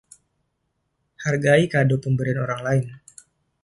Hargailah kado pemberian orang lain.